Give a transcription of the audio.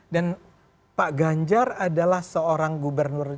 dan pak ganjar adalah seorang gubernur jenis